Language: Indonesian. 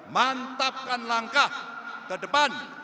mantapkan langkah ke depan